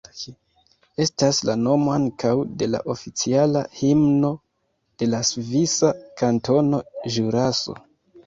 Estas la nomo ankaŭ de la oficiala himno de la svisa kantono Ĵuraso.